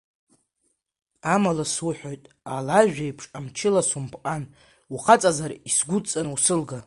Амала суҳәоит, алажә еиԥш ҟамчыла сумпҟан, ухаҵазар, исгудҵаны усылга!